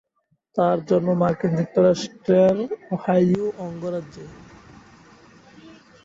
তার জন্ম মার্কিন যুক্তরাষ্ট্রের ওহাইও অঙ্গরাজ্যে।